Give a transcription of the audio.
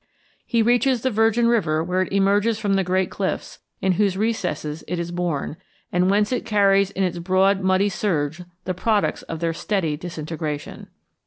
He reaches the Virgin River where it emerges from the great cliffs in whose recesses it is born, and whence it carries in its broad muddy surge the products of their steady disintegration.